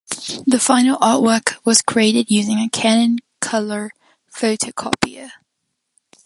The final artwork was created using a Canon colour photocopier.